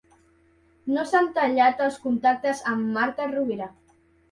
No s'han tallat els contactes amb Marta Rovira.